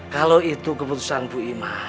kalau itu keputusan bu ima